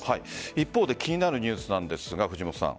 一方で気になるニュースなんですが藤本さん。